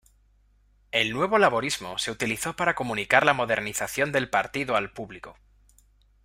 El "Nuevo Laborismo" se utilizó para comunicar la modernización del partido al público.